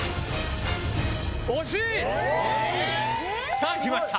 さぁきました！